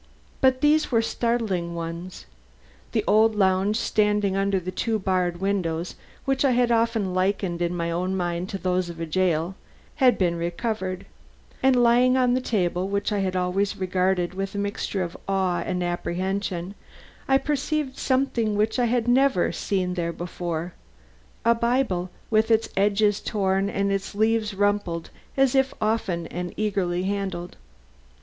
But these were startling ones. The old lounge standing under the two barred windows which I had often likened in my own mind to those of a jail, had been recovered; and lying on the table, which I had always regarded with a mixture of awe and apprehension, I perceived something which I had never seen there before: a Bible, with its edges worn and its leaves rumpled as if often and eagerly handled.